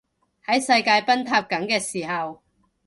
喺世界崩塌緊嘅時候